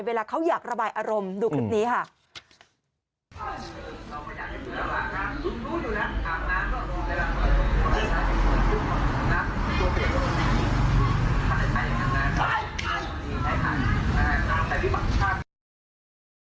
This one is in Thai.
เวลาเขาอยากระบายอารมณ์ดูคลิปนี้ค่ะ